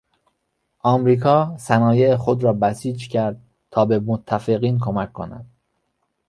امریکا صنایع خود را بسیج کرد تا به متفقین کمک کند.